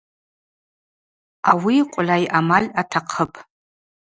Ауи къвльай-амаль атахъыпӏ.